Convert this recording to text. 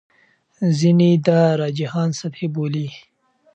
ځینې دا رجحان سطحي بولي.